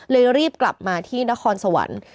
รีบกลับมาที่นครสวรรค์